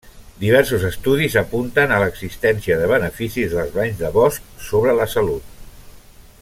Diversos estudis apunten a l'existència de beneficis dels banys de bosc sobre la salut.